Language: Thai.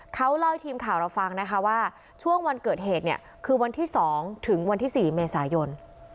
เขาเล่าให้ทีมข่าวเราฟังนะคะว่าช่วงวันเกิดเหตุเนี่ยคือวันที่๒ถึงวันที่๔เมษายน